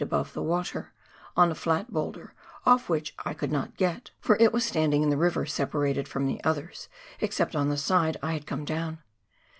above the water, on a flat boulder, off which I could not get — for it was standing in the river separated from the others except on the side I had come down.